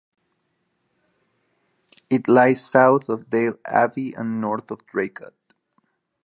It lies south of Dale Abbey and north of Draycott.